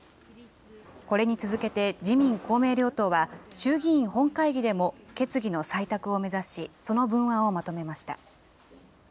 これに続けて、自民、公明両党は、衆議院本会議でも決議の採択を目指し、その文案をまとめました。